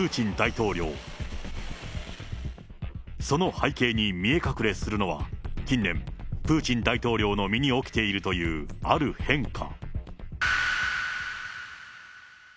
その背景に見え隠れするのは、近年、プーチン大統領の身に起きているというある変化。